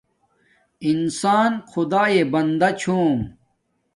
انسان خدایے بندا چھوم